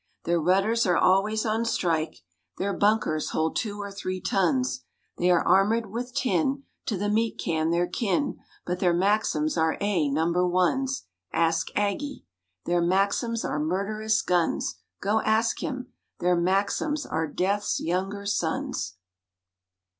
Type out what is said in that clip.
Their rudders are always on strike, Their bunkers hold two or three tons, They are armored with tin—to the meat can they're kin— 'But their Maxims are A number ones, (Ask Aggie!) Their Maxims are murderous guns; (Go ask him!) Their Maxims are Death's younger sons.